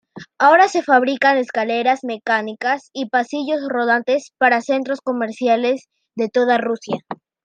Ahora se fabrican escaleras mecánicas y pasillos rodantes para centros comerciales de toda Rusia.